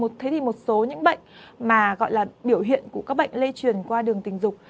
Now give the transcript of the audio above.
thế thì một số những bệnh mà gọi là biểu hiện của các bệnh lây truyền qua đường tình dục